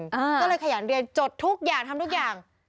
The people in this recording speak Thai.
ก็เลยขยันเรียนจดทุกอย่างทำทุกอย่าง